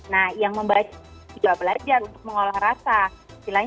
nah yang membaik juga belajar untuk mengolah rasa